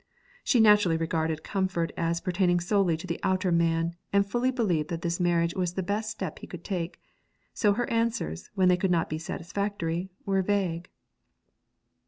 She naturally regarded comfort as pertaining solely to the outer man, and fully believed that this marriage was the best step he could take; so her answers, when they could not be satisfactory, were vague.